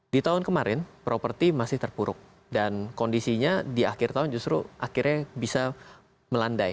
di tahun kemarin properti masih terpuruk dan kondisinya di akhir tahun justru akhirnya bisa melandai